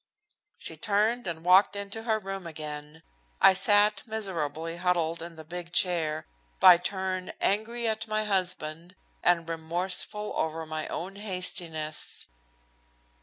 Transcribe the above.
She turned and walked into her own room again. I sat miserably huddled in the big chair, by turn angry at my husband and remorseful over my own hastiness.